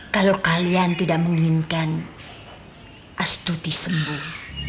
kalau kalian tidak menginginkan astuti sembuh